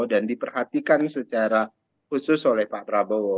dan diperhatikan secara khusus oleh pak prabowo